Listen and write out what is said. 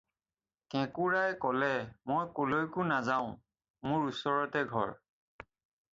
"কেঁকোৰাই ক'লে- "মই কলৈকো নাযাওঁ, মোৰ ওচৰতে ঘৰ।"